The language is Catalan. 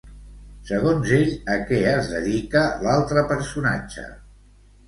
Segons ell, a què es dedica l'altre personatge?